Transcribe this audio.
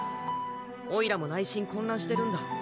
おいらも内心混乱してるんだ。